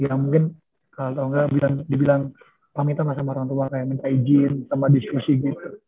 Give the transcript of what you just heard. ya mungkin kalo gak dibilang pamit sama orang tua kayak minta izin tempat diskusi gitu